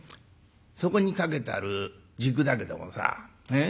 「そこに掛けてある軸だけどもさええ？